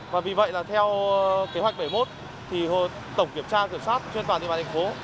và vì vậy là theo kế hoạch bảy mươi một thì tổng kiểm tra kiểm soát trên toàn địa bàn thành phố